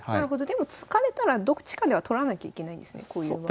でも突かれたらどっちかでは取らなきゃいけないんですねこういう場合は。